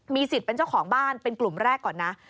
สิทธิ์เป็นเจ้าของบ้านเป็นกลุ่มแรกก่อนนะ